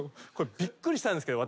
びっくりしたんですけど。